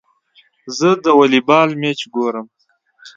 زه د والي بال مېچ ګورم.